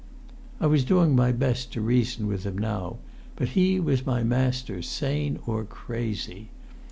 I was doing my best to reason with him now, but he was my master, sane or crazy.